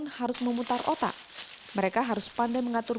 jika tidak petani terpaksa diberi kekuatan